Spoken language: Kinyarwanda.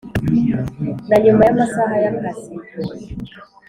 na nyuma y amasaha y akazi